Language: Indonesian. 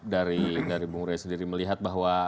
dari bung rey sendiri melihat bahwa